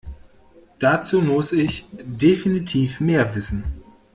Dazu muss ich definitiv mehr wissen.